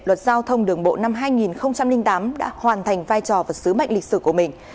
luật giao thông đường bộ năm hai nghìn tám đã hoàn thành vai trò và sứ mệnh lịch sử của mình